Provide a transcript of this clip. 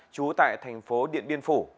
trú tại thành phố điện biên phủ